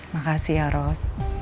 makasih ya ros